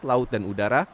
laut dan udara